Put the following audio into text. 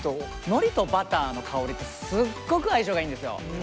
のりとバターの香りってすっごく相性がいいんですよ。